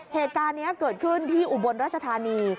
เหตุการณ์นี้เกิดขึ้นที่อุบลราชธานี